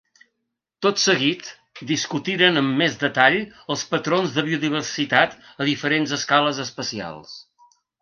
Tot seguit discutirem amb més detall els patrons de biodiversitat a diferents escales espacials.